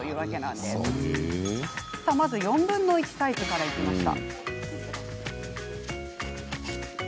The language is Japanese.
では、４分の１サイズからいきました。